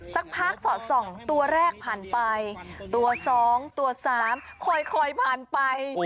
สักพักสอดส่องตัวแรกผ่านไปตัว๒ตัว๓คอยผ่านไป